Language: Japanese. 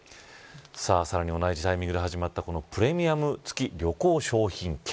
さらに同じタイミングで始まったプレミアム付き旅行商品券。